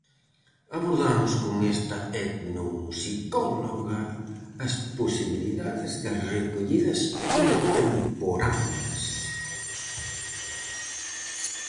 Abordamos con esta etnomusicóloga as posibilidades das recollidas contemporáneas.